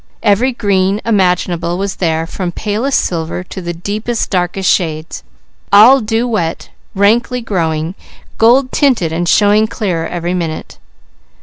Every green imaginable was there from palest silver to the deepest, darkest shades; all dew wet, rankly growing, gold tinted and showing clearer each minute.